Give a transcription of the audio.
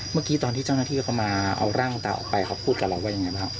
เมื่อกี้ตอนที่เจ้าหน้าที่เขามาเอาร่างตาออกไปเขาพูดกับเราว่ายังไงบ้างครับ